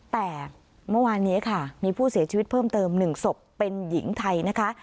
แต่เมื่อวานนี้ค่ะมีผู้เสียชีวิตเพิ่มเติม๑ศพเป็นหญิงไทยนะคะ